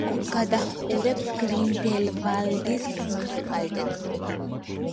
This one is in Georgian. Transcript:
გადაჰყურებს გრინდელვალდის მუნიციპალიტეტს.